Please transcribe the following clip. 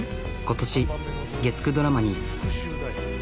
今年月９ドラマに。